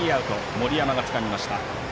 森山がつかみました。